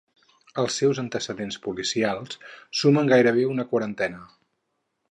Els seus antecedents policials sumen gairebé una quarantena.